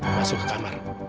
masuk ke kamar